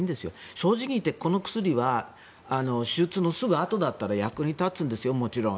正直言って、この薬は手術のすぐあとだったら役に立つんですよ、もちろん。